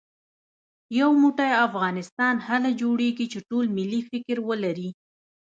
يو موټی افغانستان هله جوړېږي چې ټول ملي فکر ولرو